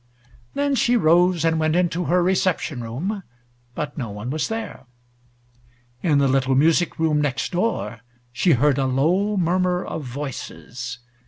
Then she rose and went into her reception room, but no one was there. In the little music room next door she heard a low murmur of voices.